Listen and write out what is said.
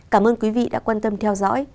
cảm ơn quý vị đã quan tâm theo dõi